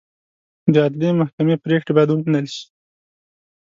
د عدلي محکمې پرېکړې باید ومنل شي.